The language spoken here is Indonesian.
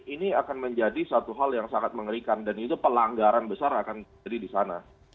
ini akan menjadi satu hal yang sangat mengerikan dan itu pelanggaran besar akan jadi di sana